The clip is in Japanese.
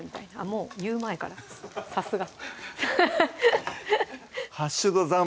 もう言う前からさすが！